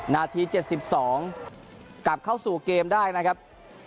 นาทีเจ็ดสิบสองกลับเข้าสู่เกมได้นะครับ